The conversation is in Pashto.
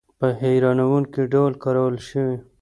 په هیرانوونکې ډول کارول شوي.